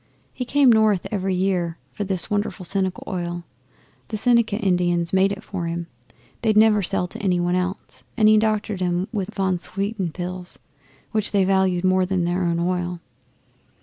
He come north every year for this wonderful Seneca Oil the Seneca Indians made for him. They'd never sell to any one else, and he doctored 'em with von Swieten pills, which they valued more than their own oil.